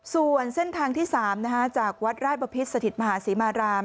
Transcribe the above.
ส่วนเส้นทางที่๓จากวัดราชบพิษสถิตมหาศรีมาราม